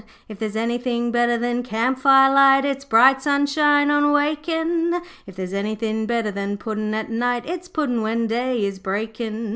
'If there's anythin' better than camp firelight, It's bright sunshine on wakin'. If there's anythin' better than puddin' at night, It's puddin' when day is breakin'.